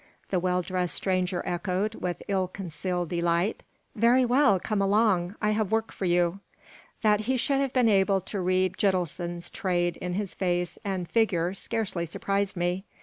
the well dressed stranger echoed, with ill concealed delight. "Very well; come along. I have work for you." That he should have been able to read Gitelson's trade in his face and figure scarcely surprised me.